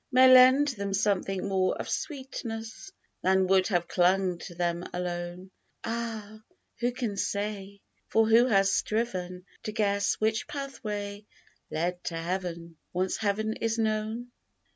May lend them something more of sweetness Than would have clung to them alone. Ah ! who can say ? For who has striven To guess which pathway led to Heaven — Once Heav'n is known